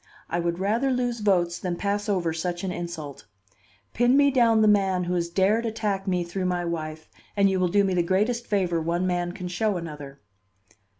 I would rather lose votes than pass over such an insult. Pin me down the man who has dared attack me through my wife, and you will do me the greatest favor one man can show another."